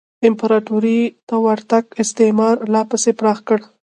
امپراتورۍ ته ورتګ استثمار لا پسې پراخ کړ.